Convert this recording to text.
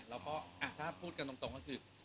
แล้วก็ถ้าพูดกันตรงก็คือ